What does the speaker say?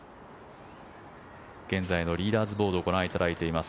現在のリーダーズボードをご覧いただいています。